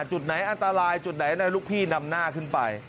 จุดไหนอันตรายจุดไหนลูกพี่นำหน้าขึ้นไป